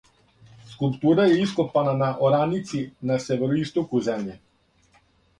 Скулптура је ископана на ораници на североистоку земље.